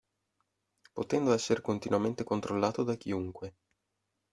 Potendo essere continuamente controllato da chiunque.